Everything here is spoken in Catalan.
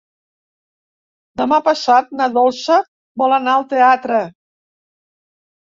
Demà passat na Dolça vol anar al teatre.